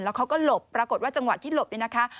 เขาก็หลบปรากฏว่าจังหวะที่หลบเนี่ยนะคะ